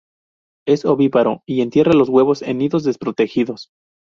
Es ovíparo y entierra los huevos en nidos desprotegidos.